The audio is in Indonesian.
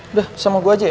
udah sama gue aja ya